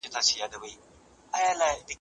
خلک ډېر وه تر درباره رسېدلي